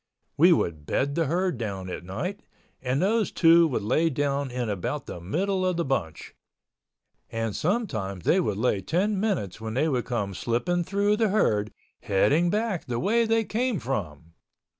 We would bed the herd down at night and those two would lay down in about the middle of the bunch—and sometimes they would lay ten minutes when they would come slipping through the herd, heading back the way they came from.